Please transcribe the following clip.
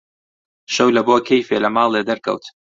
شەو لەبۆ کەیفێ لە ماڵێ دەرکەوت: